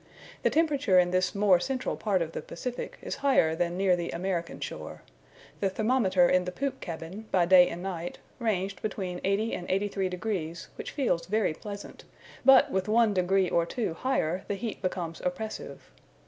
The temperature in this more central part of the Pacific is higher than near the American shore. The thermometer in the poop cabin, by night and day, ranged between 80 and 83 degs., which feels very pleasant; but with one degree or two higher, the heat becomes oppressive.